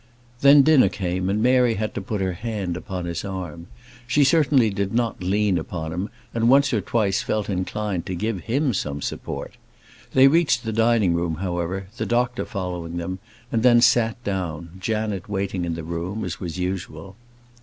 Then dinner came, and Mary had to put her hand upon his arm. She certainly did not lean upon him, and once or twice felt inclined to give him some support. They reached the dining room, however, the doctor following them, and then sat down, Janet waiting in the room, as was usual.